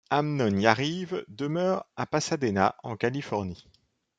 Amnon Yariv demeure à Pasadena, en Californie.